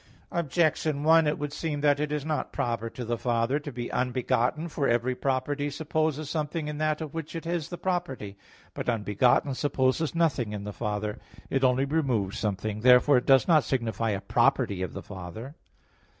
Objection 1: It would seem that it is not proper to the Father to be unbegotten. For every property supposes something in that of which it is the property. But "unbegotten" supposes nothing in the Father; it only removes something. Therefore it does not signify a property of the Father.